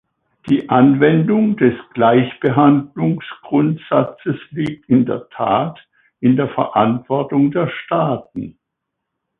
Die Anwendung des Gleichbehandlungsgrundsatzes liegt in der Tat in der Verantwortung der Staaten.